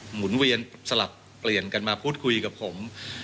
หมุนเวียนสลับเปลี่ยนกันมาพูดคุยกับผม